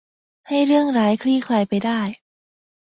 ให้เรื่องร้ายคลี่คลายไปได้